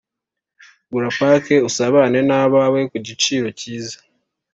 gura pake usabane nabawe ku giciro kiza